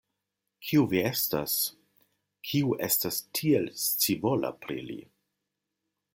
Kiu vi estas, kiu estas tiel scivola pri li?